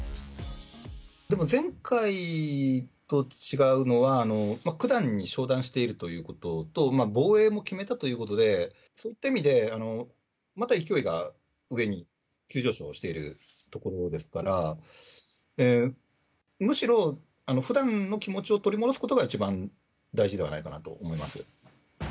でも、前回と違うのは、九段に昇段しているということと、防衛も決めたということで、そういった意味で、また勢いが上に急上昇しているところですから、むしろ、ふだんの気持ちを取り戻すことが一番大事ではないかなと思います。